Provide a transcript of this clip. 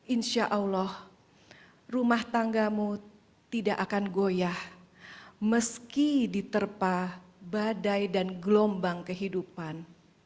insya allah rumah tanggamu tidak akan goyah meski diterpah badai dan gelombang kehidupan